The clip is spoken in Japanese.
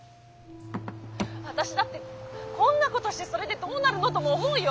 「私だってこんなことしてそれでどうなるのとも思うよ。